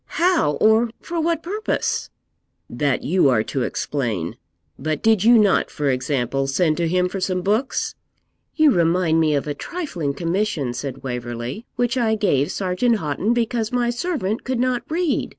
How, or for what purpose?' 'That you are to explain. But did you not, for example, send to him for some books?' 'You remind me of a trifling commission,' said Waverley, 'which I gave Sergeant Houghton, because my servant could not read.